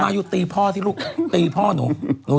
มาอยู่ตีพ่อสิลูกตีพ่อนู